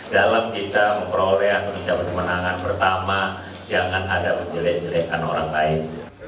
dalam kita memperoleh atau ucapan kemenangan pertama jangan ada menjelek jelekkan orang lain